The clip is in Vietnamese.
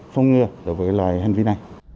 phong nghiệp đối với loại hành vi này